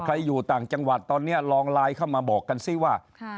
อยู่ต่างจังหวัดตอนนี้ลองไลน์เข้ามาบอกกันสิว่า